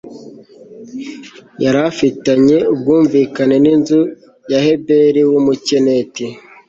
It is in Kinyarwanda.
yari afitanye ubwumvikane n'inzu ya heberi w'umukeniti